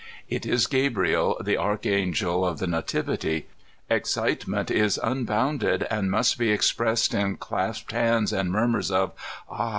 It is Gabriel, the Arch angel of the Nativity. Excitement is unbounded, and must be expressed in clasped hands and murmurs of ^'Ah!